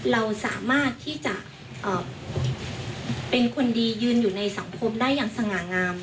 เราสามารถที่จะเป็นคนดียืนอยู่ในสังคมได้อย่างสง่างาม